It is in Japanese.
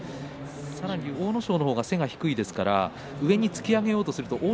さらに阿武咲の方が背が低いですから上に引き付けようとすると。